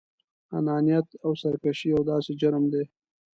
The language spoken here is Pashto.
انانيت او سرکشي يو داسې جرم دی.